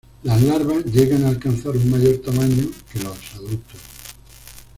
Las larvas llegan a alcanzar un mayor tamaño que los adultos.